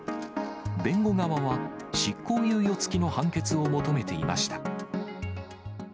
弁護側は、執行猶予付きの判決を求めていました。